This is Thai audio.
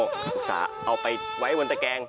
โอ้โหสาเอาไปไว้บนตะแกง